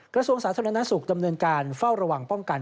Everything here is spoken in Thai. กระทรวงสาธารณสุขดำเนินการเฝ้าระวังป้องกัน